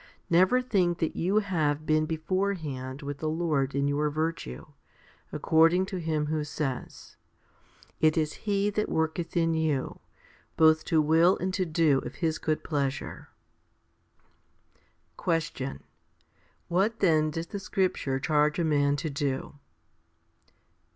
Never think that you have been beforehand with the Lord in your virtue, according to him who says, It is He that worketh in you, both to will and to do of His good pleasure. 2 10. Question. What then does the scripture charge a man to do?